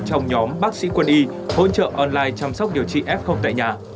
trong nhóm bác sĩ quân y hỗ trợ online chăm sóc điều trị f tại nhà